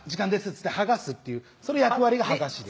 っつって剥がすっていうその役割が剥がしです